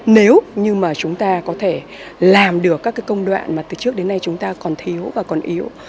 nếu như mà chúng ta có thể làm được các cái công đoạn mà từ trước đến nay chúng ta còn thiếu và còn yếu